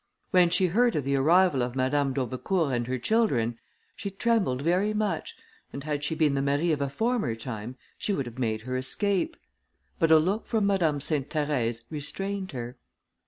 When she heard of the arrival of Madame d'Aubecourt and her children, she trembled very much, and had she been the Marie of a former time, she would have made her escape; but a look from Madame Sainte Therèse restrained her.